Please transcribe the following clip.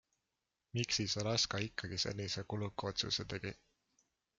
Miks siis Alaska ikkagi sellise kuluka otsuse tegi?